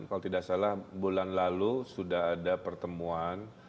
kalau tidak salah bulan lalu sudah ada pertemuan